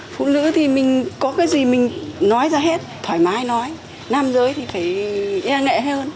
phụ nữ thì mình có cái gì mình nói ra hết thoải mái nói nam giới thì phải e ngại hơn